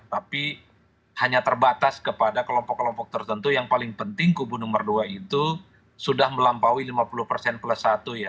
tapi hanya terbatas kepada kelompok kelompok tertentu yang paling penting kubu nomor dua itu sudah melampaui lima puluh persen plus satu ya